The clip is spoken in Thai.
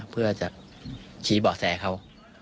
เพื่อจะชี้เบาะแสเขา